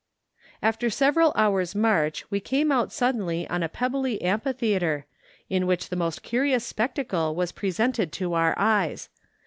After several hours' march we came out suddenly on a pebbly amphitheatre, in which the most curious spectacle was presented to our eyes.